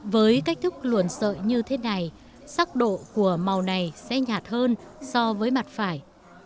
với cách thức luồn sợi như thế này sắc độ của màu này sẽ nhạt hơn so với mặt phải